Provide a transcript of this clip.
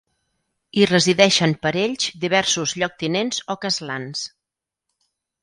Hi resideixen per ells diversos lloctinents o castlans.